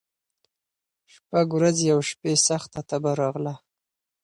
شپږ ورځي او شپي سخته تبه راغله